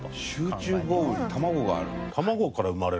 集中豪雨にたまごがある？